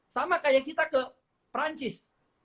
sama kayak kita ke perancis